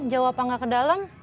jauh apa gak ke dalam